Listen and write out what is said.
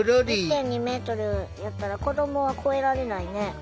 １．２メートルやったら子どもは越えられないね。